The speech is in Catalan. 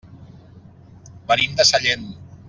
Venim de Sellent.